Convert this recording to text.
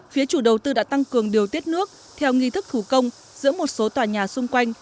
phía chủ đầu tư đã tăng cường điều tiết nước theo nghi thức thủ công giữa một số tòa nhà xung quanh